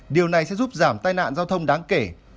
điều này sẽ giúp giảm tai nạn giao thông đáng kể